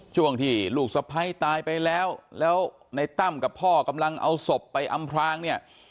ช่วงที่ลูกสะพ้ายตายไปแล้วแล้วในตั้มกับพ่อกำลังเอาศพไปอำพรางเนี่ย